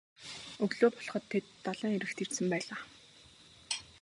Өглөө болоход тэд далайн эрэгт ирсэн байлаа.